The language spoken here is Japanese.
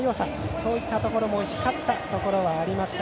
そういったところも光ったところがありました。